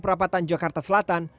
perapatan jakarta selatan